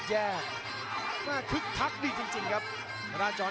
แชลเบียนชาวเล็ก